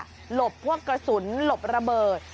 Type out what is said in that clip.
หลบพวกกระสุนหลบระเบิด